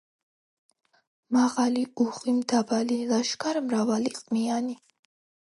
მაღალი, უხვი, მდაბალი, ლაშქარ-მრავალი, ყმიანი.